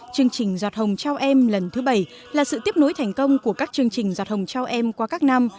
chương trình do thông trao em lần thứ bảy là sự tiếp nối thành công của các chương trình do thông trao em qua các năm